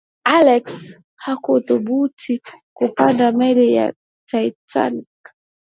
alex hakuthubutu kupanda meli ya titanic